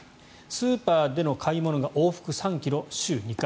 スーパーでの買い物が往復３ｋｍ週２回。